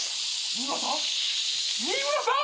新村さん新村さん！？